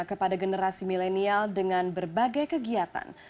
kepada generasi milenial dengan berbagai kegiatan